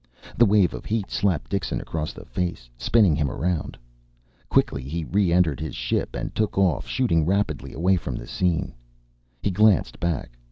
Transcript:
The wave of heat slapped Dixon across the face, spinning him around. Quickly he re entered his ship and took off, shooting rapidly away from the scene. He glanced back.